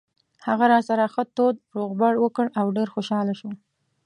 هغه راسره ښه تود روغبړ وکړ او ډېر خوشاله شو.